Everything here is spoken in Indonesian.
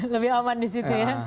lebih aman di situ ya